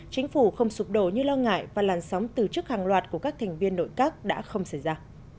chính phủ không sụp đổ như lo ngại và làn sóng từ chức hàng loạt của các thành viên nội các đã không xảy ra